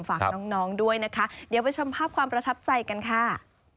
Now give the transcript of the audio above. ฝากน้องด้วยนะคะเดี๋ยวไปชมภาพความประทับใจกันค่ะ